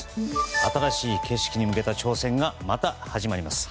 新しい景色に向けた挑戦がまた始まります。